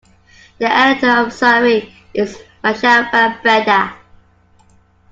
The editor of "Sarie" is Michelle van Breda.